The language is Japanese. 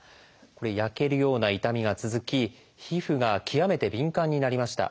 焼けるような痛みが続き皮膚が極めて敏感になりました。